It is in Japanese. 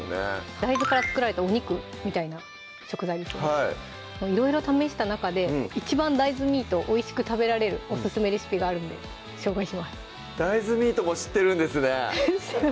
大豆から作られたお肉みたいな食材ですねいろいろ試した中で一番大豆ミートをおいしく食べられるオススメレシピがあるので紹介します大豆ミートも知ってるんですね